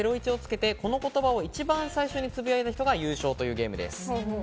「＃ゼロイチ」をつけてこの言葉を最初につぶやいた方が優勝というゲームです。